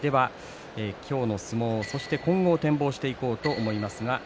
今日の相撲、そして今後を展望していこうと思います。